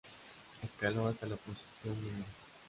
Escaló hasta la posición No.